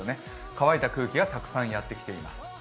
乾いた空気がたくさんやってきています。